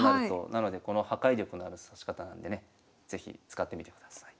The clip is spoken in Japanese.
なのでこの破壊力のある指し方なんでね是非使ってみてください。